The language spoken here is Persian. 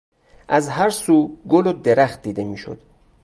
از هر سو گل و درخت دیده میشد.